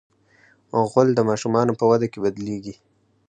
غول د ماشومانو په وده کې بدلېږي.